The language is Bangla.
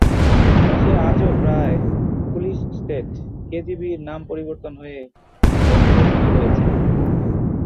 রাশিয়া আজও প্রায় পুলিশ স্টেট, কেজিবির নাম পরিবর্তন হয়ে এফএসবি হয়েছে।